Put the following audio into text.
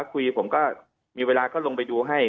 คุยผมก็มีเวลาก็ลงไปดูให้